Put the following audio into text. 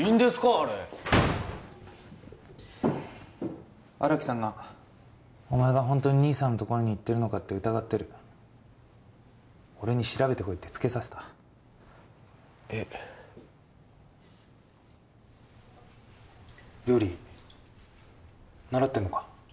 あれ荒木さんがお前がホントに兄さんのところに行ってるのかって疑ってる俺に調べてこいってつけさせたえッ料理習ってんのか？